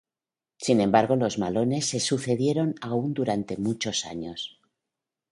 Sin embargo los malones se sucedieron aun durante muchos años.